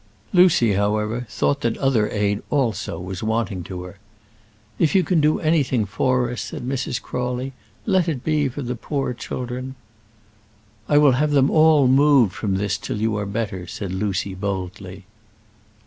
Lucy, however, thought that other aid also was wanting to her. "If you can do anything for us," said Mrs. Crawley, "let it be for the poor children." "I will have them all moved from this till you are better," said Lucy, boldly.